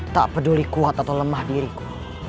tak peduli kuat atau lemah diriku